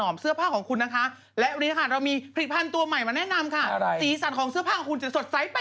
เพื่อลูกค่าที่ได้รักของเรานะคะ